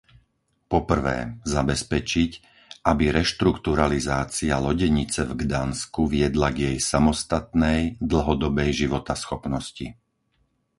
Po prvé, zabezpečiť, aby reštrukturalizácia lodenice v Gdansku viedla k jej samostatnej, dlhodobej životaschopnosti.